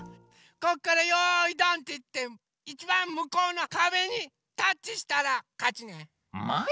こっからよいどんっていっていちばんむこうのかべにタッチしたらかちね。もい。